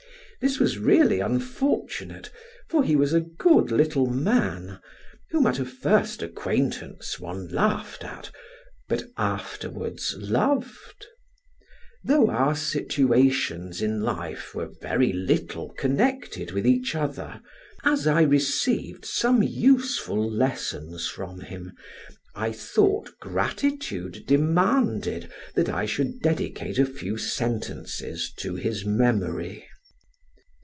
This was really unfortunate, for he was a good little man, whom at a first acquaintance one laughed at, but afterwards loved. Though our situations in life were very little connected with each other, as I received some useful lessons from him, I thought gratitude demanded that I should dedicate a few sentences to his memory.